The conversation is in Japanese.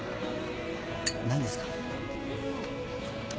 何ですか？